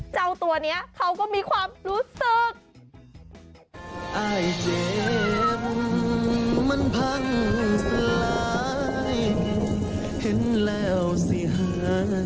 เจ้าตัวนี้เขาก็มีความรู้สึก